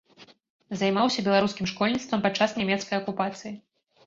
Займаўся беларускім школьніцтвам падчас нямецкай акупацыі.